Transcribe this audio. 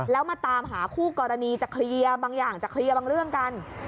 แล้วมาตามหาคู่กรณีจะเคลียร์บางอย่างจะเคลียร์บางเรื่องกัน